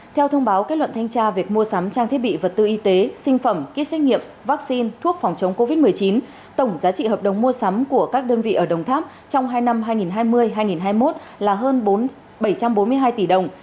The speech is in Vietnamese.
theo thông báo kết luận thanh tra việc mua sắm trang thiết bị vật tư y tế sinh phẩm ký xét nghiệm vaccine thuốc phòng chống covid một mươi chín tổng giá trị hợp đồng mua sắm của các đơn vị ở đồng tháp trong hai năm hai nghìn hai mươi hai nghìn hai mươi một là hơn bảy trăm bốn mươi hai tỷ đồng